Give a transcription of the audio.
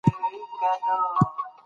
که علم عام شي نو جهالت نه پاتې کیږي.